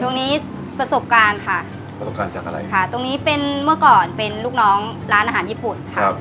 ตรงนี้ประสบการณ์ค่ะค่ะตรงนี้เป็นเมื่อก่อนเป็นลูกน้องร้านอาหารญี่ปุ่นค่ะ